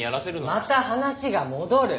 また話が戻る！